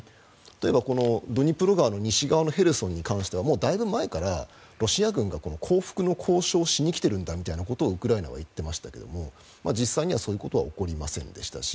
例えばドニプロ川の西側のヘルソンに関してはだいぶ前からロシア軍が報復の交渉をしに来ているんだみたいなことをウクライナは言っていましたが実際には、そういうことは起こりませんでしたし。